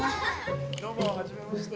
どうもはじめまして。